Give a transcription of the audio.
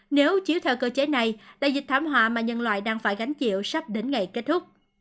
nếu chiếu theo cơ chế này đại dịch thảm họa mà nhân loại đang phải gánh chịu sắp đến ngày kết thúc